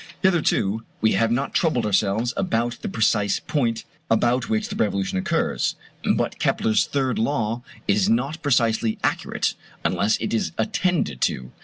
Hitherto we have not troubled ourselves about the precise point about which the revolution occurs, but Kepler's third law is not precisely accurate unless it is attended to.